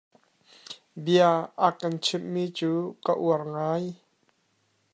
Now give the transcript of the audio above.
Bia a kan chimh mi cu ka uar ngai.